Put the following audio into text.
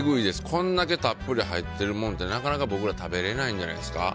こんだけたっぷり入ってるものってなかなか、僕ら食べれないんじゃないですか。